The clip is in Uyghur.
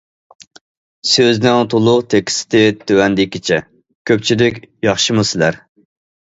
سۆزنىڭ تولۇق تېكىستى تۆۋەندىكىچە: كۆپچىلىك ياخشىمۇسىلەر!